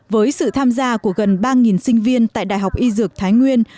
với sự tham gia của gần ba sinh viên tại đại học y dược thái nguyên